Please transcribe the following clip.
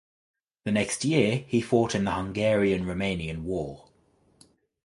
The next year he fought in the Hungarian–Romanian War.